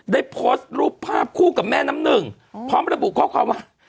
ได้โพสต์รูปภาพคู่กับแม่น้ำหนึ่งพร้อมระบุข้อความว่า